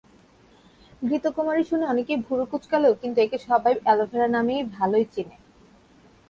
ঘৃতকুমারী শুনে অনেকে ভুরু কোঁচকালেও কিন্তু একে সবাই অ্যালোভেরা নামে ভালোই চেনেন।